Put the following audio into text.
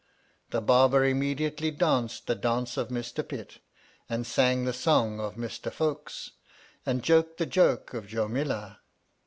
The Barber immediately danced the dance of Mistapit, and sang the song of Mistafoks, and joked the joke of Jomillah.